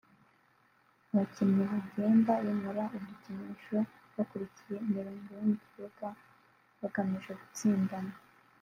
abakinnyi bagenda bimura udukinisho bakurikiye imirongo yo mu kibuga bagamije gutsindana